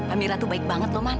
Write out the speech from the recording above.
amira tuh baik banget loh man